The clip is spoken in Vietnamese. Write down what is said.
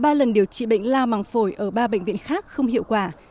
sau ba lần điều trị bệnh lao màng phổi ở ba bệnh viện khác không hiệu quả